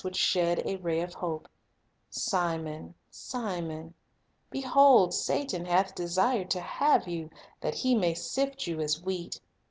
would shed a ray of hope: "Simon, Simon, behold, Satan hath desired to have you, that he may sift you as wheat.